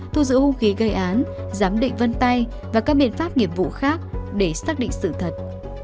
thu giữ hung khí gây án giám định vân tay và các biện pháp nghiệp vụ khác để xác định sự thật